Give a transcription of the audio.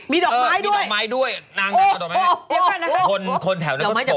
มีดอกไม้ด้วย